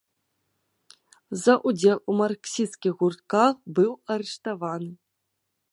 За ўдзел у марксісцкіх гуртках быў арыштаваны.